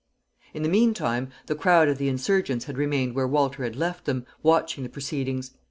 In the mean time, the crowd of the insurgents had remained where Walter had left them, watching the proceedings.